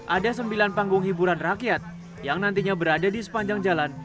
ada sembilan panggung hiburan rakyat yang nantinya berada di sepanjang jalan